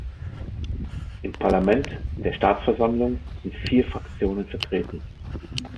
Im Parlament, der Staatsversammlung, sind vier Fraktionen vertreten.